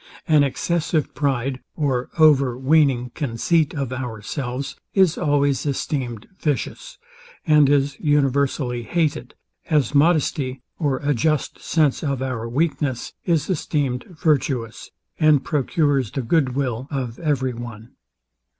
An excessive pride or overweaning conceit of ourselves is always esteemed vicious, and is universally hated; as modesty, or a just sense of our weakness, is esteemed virtuous, and procures the good will of every one.